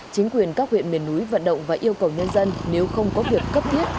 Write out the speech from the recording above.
chính quyền các huyện miền núi vận động và yêu cầu nhân dân nếu không có việc cấp thiết